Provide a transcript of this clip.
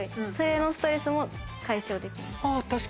そのストレスも解消できる。